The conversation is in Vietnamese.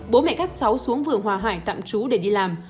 bố mẹ các cháu xuống vườn hòa hải tạm trú để đi làm